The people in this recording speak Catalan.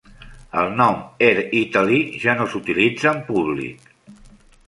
El nom "Air Italy" ja no s'utilitza en públic.